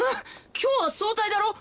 今日は早退だろ！？